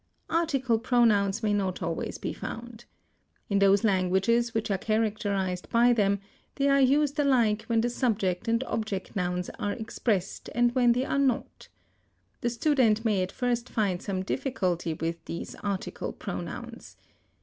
Article pronouns may not always be found. In those languages which are characterized by them they are used alike when the subject and object nouns are expressed and when they are not. The student may at first find some difficulty with these article pronouns.